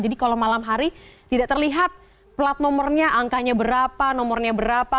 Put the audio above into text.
jadi kalau malam hari tidak terlihat plat nomornya angkanya berapa nomornya berapa